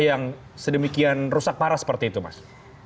yang sedemikian rusak parah seperti itu mas